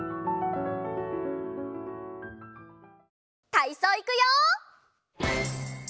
たいそういくよ！